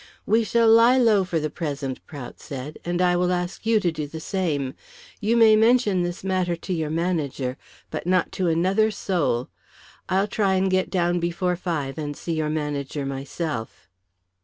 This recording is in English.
"We shall lie low for the present," Prout said. "And I will ask you to do the same. You may mention this matter to your manager, but not to another soul. I'll try and get down before five and see your manager myself."